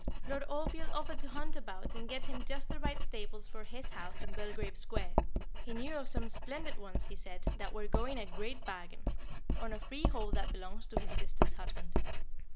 Lord Oldfield offered to hunt about and get him just the right stables for his house in Belgrave Square; he knew of some splendid ones, he said, that were going a great bargain, on a freehold that belongs to his sister's husband.